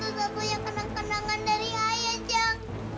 satu satunya kenang kenangan dari ayah cak